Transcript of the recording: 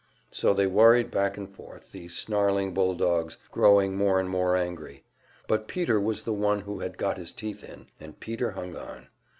So they worried back and forth, these snarling bulldogs, growing more and more angry. But Peter was the one who had got his teeth in, and Peter hung on.